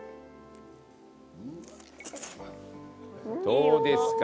どうですか？